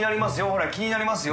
曚気になりますよ